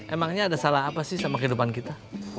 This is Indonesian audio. emangnya ada salah apa sih sama kehidupan kita